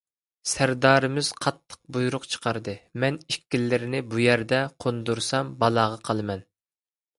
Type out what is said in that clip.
سەردارىمىز قاتتىق بۇيرۇق چىقاردى، مەن ئىككىلىرىنى بۇ يەردە قوندۇرسام بالاغا قالىمەن.